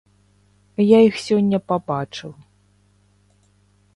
Я іх сёння пабачыў.